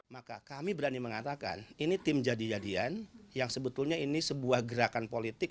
maka kami berani mengatakan ini tim jadi jadian yang sebetulnya ini sebuah gerakan politik